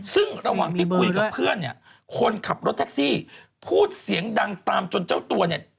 ซึ่งระหว่างที่คุยกับเพื่อนเนี่ยคนขับรถแท็กซี่พูดเสียงดังตามจนเจ้าตัวเนี่ย